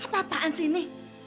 apa apaan sih ini